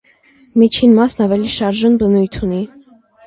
Միջին մասն ավելի շարժուն բնույթ ունի։